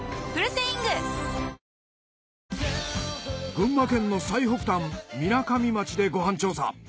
群馬県の最北端みなかみ町でご飯調査。